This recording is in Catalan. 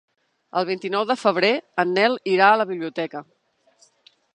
El vint-i-nou de febrer en Nel irà a la biblioteca.